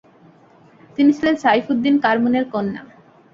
তিনি ছিলেন সাইফুদ্দিন কারমুনের কন্যা।